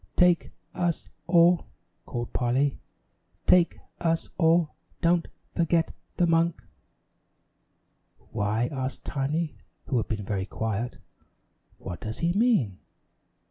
"Take us all," called Polly, "Take us all don't forget the monk." "Why," asked Tiny, who had been very quiet, "what does he mean?"